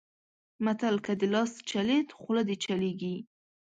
متل؛ که دې لاس چلېد؛ خوله دې چلېږي.